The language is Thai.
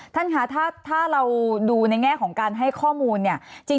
ท่านค่ะถ้าเราดูในแง่ของการให้ข้อมูลเนี่ย